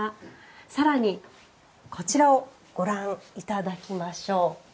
さらにこちらをご覧いただきましょう。